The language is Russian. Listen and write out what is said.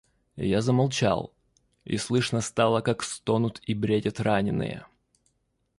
И я замолчал, и слышно стало, как стонут и бредят раненые.